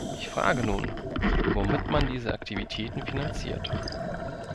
Ich frage nun, womit man diese Aktivitäten finanziert.